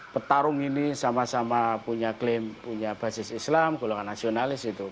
petarung ini sama sama punya klaim punya basis islam golongan nasionalis gitu